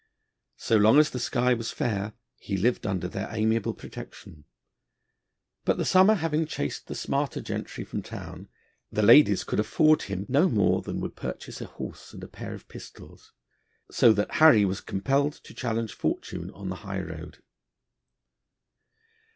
So long as the sky was fair, he lived under their amiable protection; but the summer having chased the smarter gentry from town, the ladies could afford him no more than would purchase a horse and a pair of pistols, so that Harry was compelled to challenge fortune on the high road.